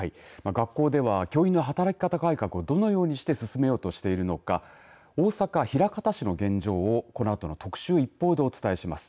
学校では教員の働き方改革をどのようにして進めようとしているのか大阪、枚方市の現状をこのあとの特集ＩＰＰＯＵでお伝えします。